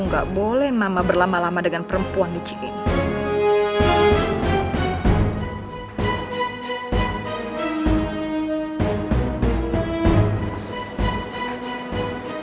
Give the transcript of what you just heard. aku gak boleh mama berlama lama dengan perempuan licik ini